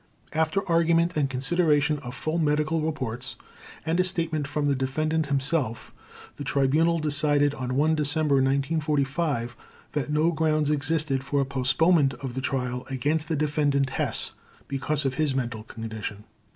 After argument, and consideration of full medical reports, and a statement from the defendant himself, the Tribunal decided on 1 December 1945 that no grounds existed for a postponement of the Trial against the Defendant Hess because of his mental condition.